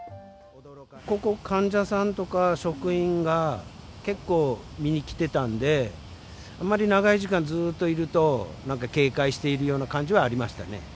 ここ、患者さんとか職員が結構、見に来てたんで、あまり長い時間ずっといると、なんか警戒しているような感じはありましたね。